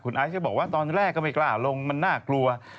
ไอซ์ก็บอกว่าตอนแรกก็ไม่กล้าลงมันน่ากลัว